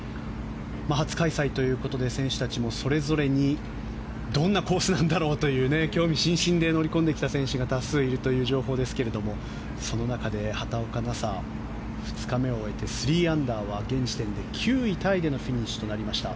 初開催ということで選手たちもそれぞれにどんなコースなんだろうという興味津々で乗り込んできた選手が多数いるという情報ですがその中で畑岡奈紗２日目を終えて３アンダーは現時点で９位タイでのフィニッシュとなりました。